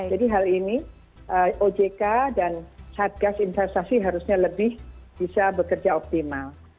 jadi hal ini ojk dan satgas investasi harusnya lebih bisa bekerja optimal